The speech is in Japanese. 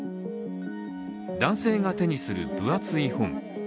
男性が手にする、分厚い本。